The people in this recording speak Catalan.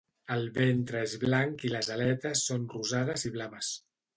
El ventre és blanc i les aletes són rosades i blaves.